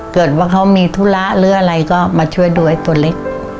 เกิดว่าเขามีธุระหรืออะไรก็มาช่วยดูไอ้ตัวเล็ก